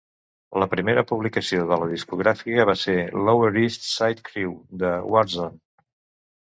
La primera publicació de la discogràfica va ser "Lower East Side Crew" de Warzone.